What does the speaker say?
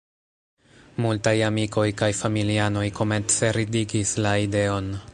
Multaj amikoj kaj familianoj komence ridigis la ideon.